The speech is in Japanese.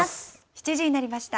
７時になりました。